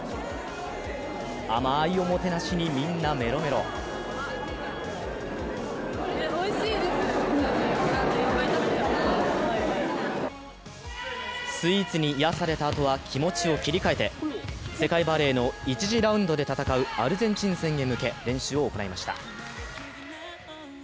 甘いおもてなしに、みんなメロメロスイーツに癒やされたあとは気持ちを切り替えて世界バレーの１次ラウンドで戦うアルゼンチン戦へ向け練習を行いました。